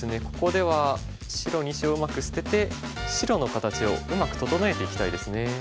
ここでは白２子をうまく捨てて白の形をうまく整えていきたいですね。